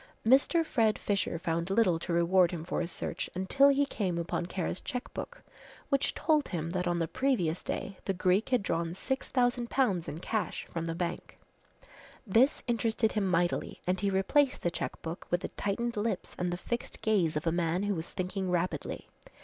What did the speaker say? Mr. Fred Fisher found little to reward him for his search until he came upon Kara's cheque book which told him that on the previous day the Greek had drawn 6,000 pounds in cash from the bank. This interested him mightily and he replaced the cheque book with the tightened lips and the fixed gaze of a man who was thinking rapidly.